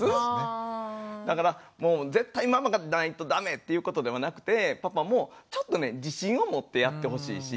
だからもう絶対ママがいないとダメっていうことではなくてパパもちょっとね自信を持ってやってほしいし。